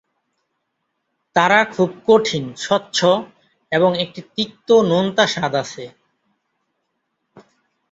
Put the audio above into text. তারা খুব কঠিন, স্বচ্ছ এবং একটি তিক্ত, নোনতা স্বাদ আছে।